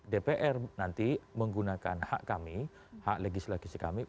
dpr nanti menggunakan hak kami hak legislasi kami